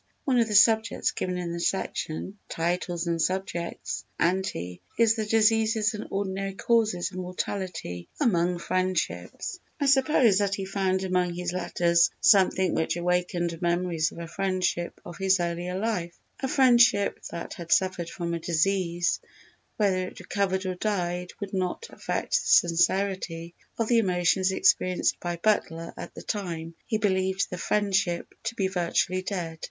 One of the subjects given in the section "Titles and Subjects" (ante) is "The diseases and ordinary causes of mortality among friendships." _I suppose that he found among his letters something which awakened memories of a friendship of his earlier life—a friendship that had suffered from a disease_, _whether it recovered or died would not affect the sincerity of the emotions experienced by Butler at the time he believed the friendship to be virtually dead_.